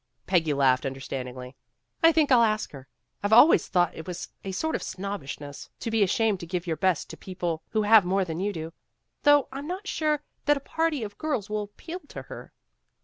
Peggy laughed understandingly. "I think I'll ask her. I've always thought it was a sort of snobbishness to be ashamed to give your best to people who have more than you do. Though I'm not sure that a party of girls will appeal to her."